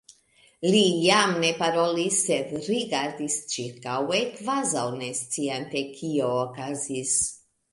Li jam ne parolis, sed rigardis ĉirkaŭe kvazaŭ ne sciante kio okazis.